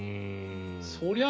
そりゃあ